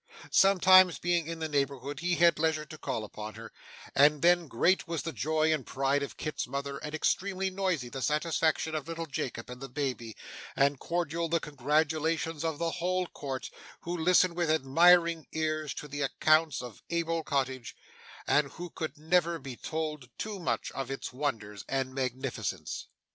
Sometimes being in the neighbourhood, he had leisure to call upon her, and then great was the joy and pride of Kit's mother, and extremely noisy the satisfaction of little Jacob and the baby, and cordial the congratulations of the whole court, who listened with admiring ears to the accounts of Abel Cottage, and could never be told too much of its wonders and magnificence.